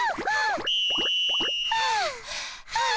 はあはあ。